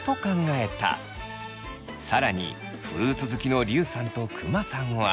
更にフルーツ好きのりゅうさんとくまさんは。